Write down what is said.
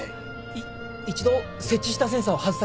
い一度設置したセンサーを外させてください。